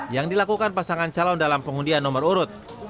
yang dilakukan pasangan calon dalam pengundian nomor urut